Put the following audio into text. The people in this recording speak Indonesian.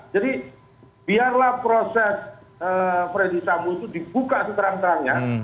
jadi biarlah proses predisambut itu dibuka seterang terangnya